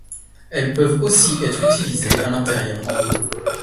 Elles peuvent aussi être utilisées à l'intérieur en pot.